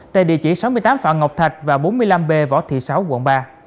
tại địa chỉ sáu mươi tám phạm ngọc thạch và bốn mươi năm b võ thị sáu quận ba